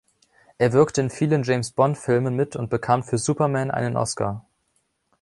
Er wirkte in vielen James Bond-Filmen mit und bekam für Superman einen Oscar.